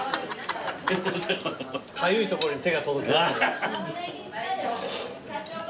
かゆい所に手が届きます。